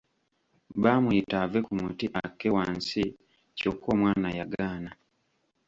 Baamuyita ave ku muti akke wansi kyokka omwana yagaana.